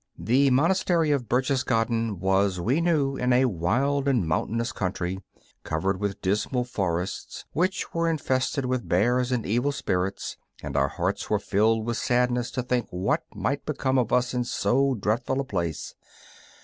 The Monastery of Berchtesgaden was, we knew, in a wild and mountainous country, covered with dismal forests, which were infested with bears and evil spirits; and our hearts were filled with sadness to think what might become of us in so dreadful a place.